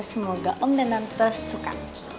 semoga om dan tante suka